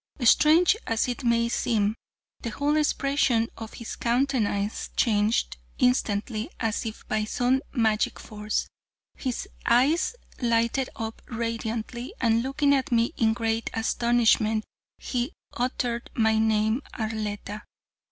Strange as it may seem, the whole expression of his countenance changed instantly as if by some magic force; his eyes lighted up radiantly, and looking at me in great astonishment he uttered my name Arletta.